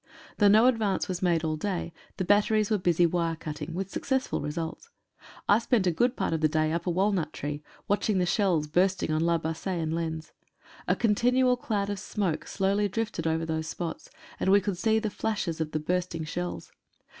Though no advance was made all day, the batteries were busy wire cutting, with successful results. I spent a good part of the day up a walnut tree, watching the shells bursting on La Bassee and Lens. A continual cloud of smoke slowly drifted over those spots, and we could see the flashes of the bursting shells.